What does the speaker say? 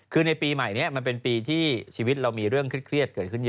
คือในปีใหม่นี้มันเป็นปีที่ชีวิตเรามีเรื่องเครียดเกิดขึ้นเยอะ